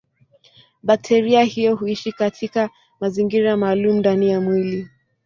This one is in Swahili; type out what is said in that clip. Bakteria hiyo huishi katika mazingira maalumu ndani ya mwili.